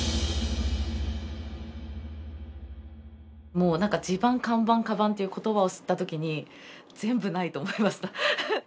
もう何か「地盤」「看板」「かばん」っていう言葉を知ったときに全部ないと思いました。